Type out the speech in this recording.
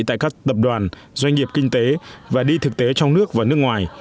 tại các tập đoàn doanh nghiệp kinh tế và đi thực tế trong nước và nước ngoài